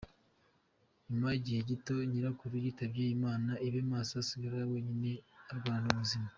Nyuma y’igihe gito nyirakuru yitabye Imana, Ibemaso asigara wenyine arwana n’ubuzima.